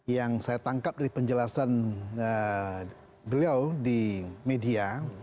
yang saya tangkap dari penjelasan beliau di media